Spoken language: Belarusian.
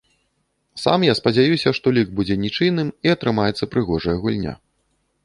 Сам я спадзяюся, што лік будзе нічыйным і атрымаецца прыгожая гульня.